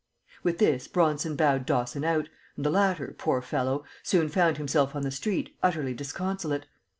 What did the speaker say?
With this Bronson bowed Dawson out, and the latter, poor fellow, soon found himself on the street utterly disconsolate.